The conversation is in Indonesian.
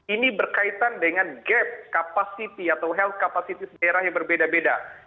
ini berkaitan dengan gap kapasiti atau health capacity daerah yang berbeda beda